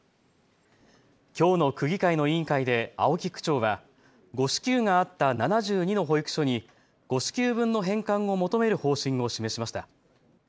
きょうの区議会の委員会で青木区長は誤支給があった７２の保育所に誤支給分の返還を求める方針を示しました。